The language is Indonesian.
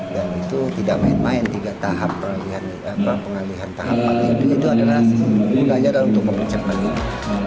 dan itu tidak main main tiga tahap pengalihan apa pengalihan tahap itu adalah untuk pemerintah kominfo